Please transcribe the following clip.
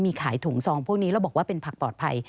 มีขายถุงซองพวกนี้แล้วบอกว่าเป็นผักปลอดภัย